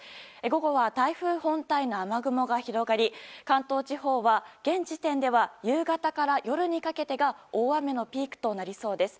午後は台風本体の雨雲が広がり関東地方は、現時点では夕方から夜にかけてが大雨のピークとなりそうです。